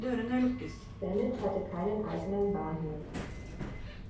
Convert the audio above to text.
Fernitz hatte keinen eigenen Bahnhof.